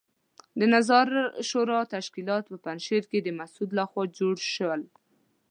د نظار شورا تشکیلات په پنجشیر کې د مسعود لخوا جوړ شول.